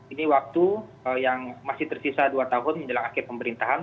ini waktu yang masih tersisa dua tahun menjelang akhir pemerintahan